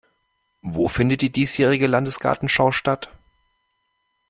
Wo findet die diesjährige Landesgartenschau statt?